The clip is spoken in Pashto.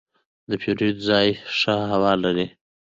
د پیرود ځای ښه هوا لري.